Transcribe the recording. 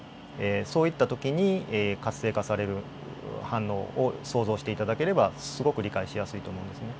そういったときに活性化される反応を想像して頂ければすごく理解しやすいと思うんですね。